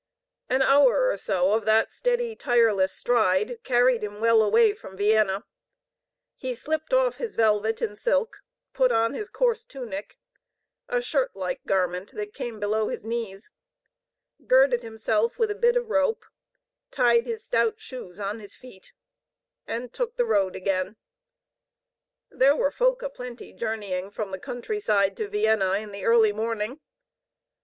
An hour or so of that steady, tireless stride carried him well away from Vienna. He slipped off his velvet and silk, put on his coarse tunic a shirt like garment that came below his knees girded himself with a bit of rope, tied his stout shoes on his feet, and took the road again. There were folk aplenty journeying from the countryside to Vienna in the early morning.